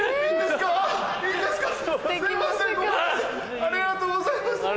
ありがとうございます。